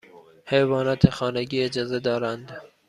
حیوانات خانگی اجازه دارند؟